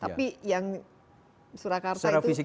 tapi yang surakarta itu